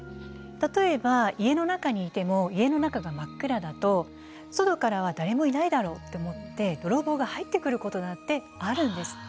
例えば家の中にいても家の中が真っ暗だと外からは「誰もいないだろう」と思って泥棒が入ってくることだってあるんです。